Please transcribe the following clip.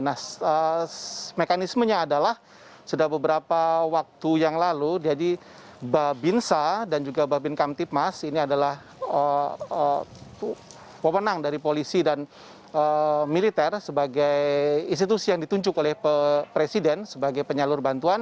nah mekanismenya adalah sudah beberapa waktu yang lalu jadi babinsa dan juga babin kamtipmas ini adalah pemenang dari polisi dan militer sebagai institusi yang ditunjuk oleh presiden sebagai penyalur bantuan